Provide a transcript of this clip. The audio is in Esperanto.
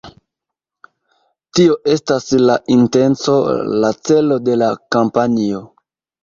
Tio estas la intenco, la celo de la kampanjo.